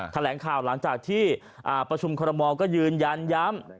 แถลงข่าวหลังจากที่ประชุมคอรมอลก็ยืนยันย้ำ